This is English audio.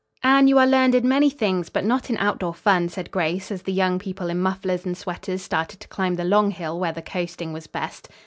"Anne, you are learned in many things, but not in outdoor fun," said Grace as the young people in mufflers and sweaters started to climb the long hill where the coasting was best.